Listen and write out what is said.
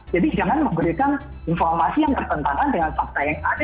jadi jangan memberikan informasi yang tertentangkan dengan fakta yang lain